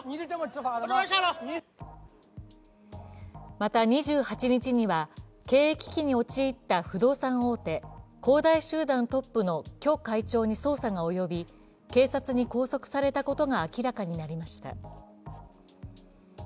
また、２８日には経営危機に陥った不動産大手恒大集団トップの許会長に捜査が及び、警察に拘束されたことが明らかになりました。